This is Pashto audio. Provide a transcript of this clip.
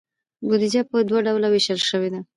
بودیجه په دوه ډوله ویشل شوې ده.